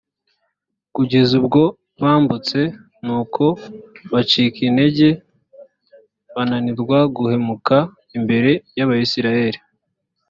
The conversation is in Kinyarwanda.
kugeza ubwo bambutse; nuko bacika intege, bananirwa guhumeka imbere y’abayisraheli.